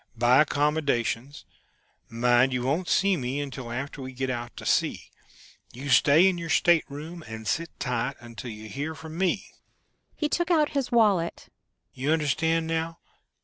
Buy accommodations.... Mind, you won't see me until after we get out to sea. You stay in your stateroom and sit tight until you hear from me." He took out his wallet. "You understand now?